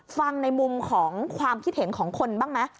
ฟังในมุมของความคิดเห็นของคนบ้างไหม